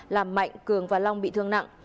làm mạnh cường và long bị thương nặng